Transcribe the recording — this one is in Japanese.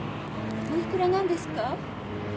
お幾らなんですか？